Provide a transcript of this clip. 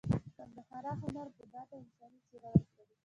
ګندهارا هنر بودا ته انساني څیره ورکړه